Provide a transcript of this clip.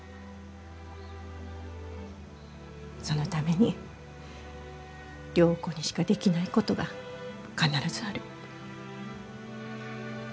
そのために良子にしかできないことが必ずある。